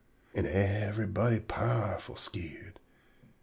an' yever'body powerful skeered.